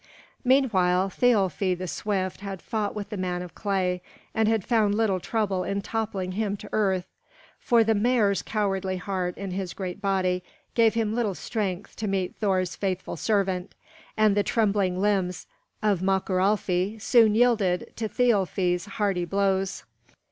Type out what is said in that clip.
Meanwhile Thialfi the swift had fought with the man of clay, and had found little trouble in toppling him to earth. For the mare's cowardly heart in his great body gave him little strength to meet Thor's faithful servant; and the trembling limbs of Möckuralfi soon yielded to Thialfi's hearty blows.